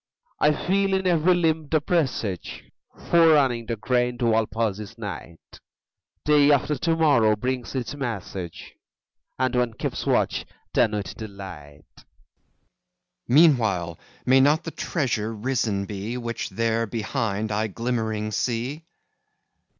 I feel in every limb the presage Forerunning the grand Walpurgis Night: Day after to morrow brings its message, And one keeps watch then with delight. FAUST Meanwhile, may not the treasure risen be, Which there, behind, I glimmering see?